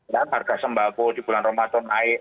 ya harga sembako di bulan ramadan naik